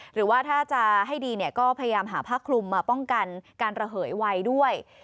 หรือว่าถ้าจะให้ดีเนี่ยก็พยายามหาผ้าคลุมมาป้องกันการระเหยไวด้วย